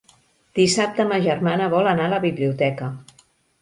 Dissabte ma germana vol anar a la biblioteca.